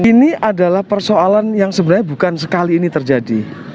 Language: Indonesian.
ini adalah persoalan yang sebenarnya bukan sekali ini terjadi